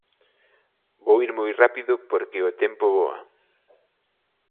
Vou ir moi rápido porque o tempo voa.